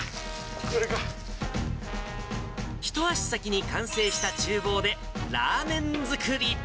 一足先に完成したちゅう房でラーメン作り。